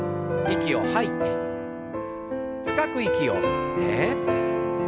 息を吐いて深く息を吸って。